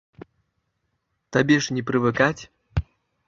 Табе ж не прывыкаць.